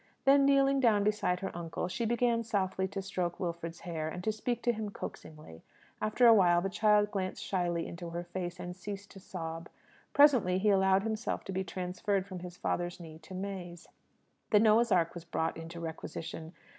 Then kneeling down beside her uncle, she began softly to stroke Wilfred's hair, and to speak to him coaxingly. After a while, the child glanced shyly into her face, and ceased to sob. Presently he allowed himself to be transferred from his father's knee to May's. The Noah's Ark was brought into requisition.